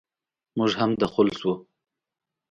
موږ هم دخول شوو.